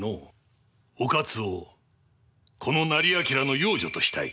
於一をこの斉彬の養女としたい。